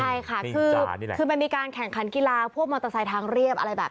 ใช่ค่ะคือมันมีการแข่งขันกีฬาพวกมอเตอร์ไซค์ทางเรียบอะไรแบบ